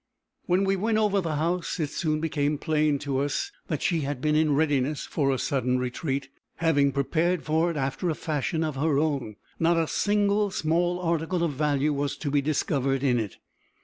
When we went over the house, it soon became plain to us that she had been in readiness for a sudden retreat, having prepared for it after a fashion of her own: not a single small article of value was to be discovered in it.